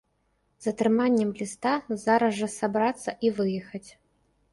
З атрыманнем ліста зараз жа сабрацца і выехаць.